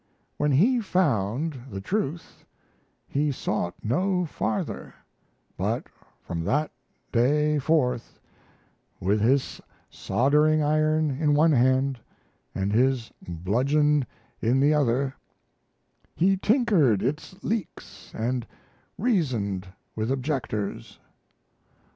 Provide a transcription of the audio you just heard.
"When he found the truth he sought no farther; but from that day forth, with his soldering iron in one hand and his bludgeon in the other, he tinkered its leaks and reasoned with objectors."